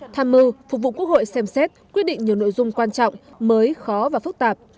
tham mưu phục vụ quốc hội xem xét quyết định nhiều nội dung quan trọng mới khó và phức tạp